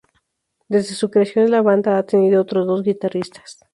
Desde su creación la banda ha tenido otros dos guitarristas.